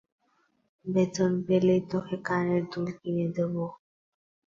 বেতন পেলেই তোকে কানের দুল কিনে দেবো।